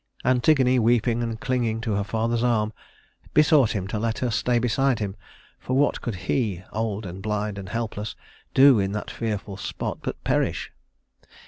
Antigone, weeping and clinging to her father's arm, besought him to let her stay beside him, for what could he old and blind and helpless do in that fearful spot but perish?